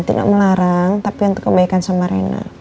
tidak melarang tapi untuk kebaikan sama rena